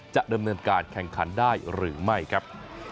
จะดำเนินการแข่งขันได้หรือไม่ครับ